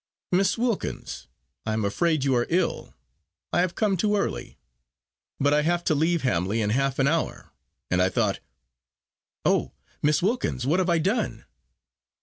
"Miss Wilkins, I am afraid you are ill! I have come too early. But I have to leave Hamley in half an hour, and I thought Oh, Miss Wilkins! what have I done?"